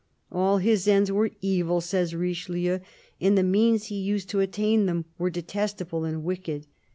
" All his ends were evil," says Richelieu, " and the means he used to attain them were detestable and wicked.